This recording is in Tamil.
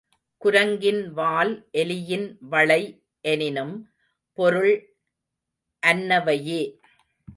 குரங்கின் வால், எலியின் வளை எனினும் பொருள் அன்னவையே.